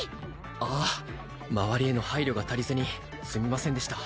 ああ周りへの配慮が足りずにすみませんでした